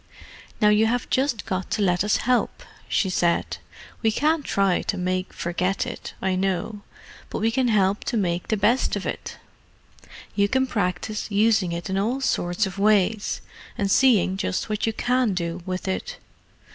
"Now you have just got to let us help," she said. "We can't try to make forget it, I know, but we can help to make the best of it. You can practise using it in all sorts of ways, and seeing just what you can do with it.